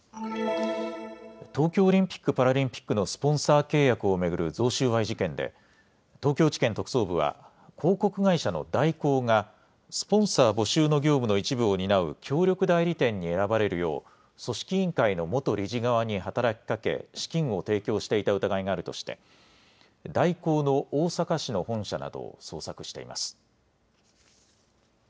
東京オリンピック・パラリンピックのスポンサー契約を巡る贈収賄事件で東京地検特捜部は広告会社の大広がスポンサー募集の業務の一部を担う協力代理店に選ばれるよう組織委員会の元理事側に働きかけ資金を提供していた疑いがあるとして大広の大阪市の本社などを捜索しています。